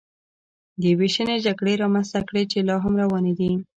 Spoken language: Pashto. دې وېشنې جګړې رامنځته کړې چې لا هم روانې دي